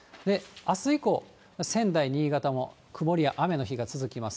あす以降、仙台、新潟も曇りや雨の日が続きます。